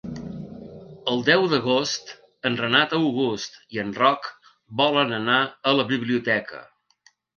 El deu d'agost en Renat August i en Roc volen anar a la biblioteca.